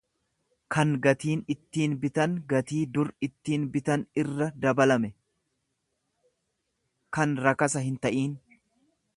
kan gatiin ittiin bittaa gatii dur ittiin bitan irra dabalame, kan rakasa hinta'iin